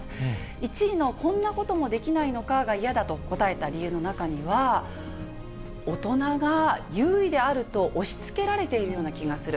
１位のこんなこともできないのかが嫌だと答えた理由の中には、大人が優位であると押しつけられているような気がする。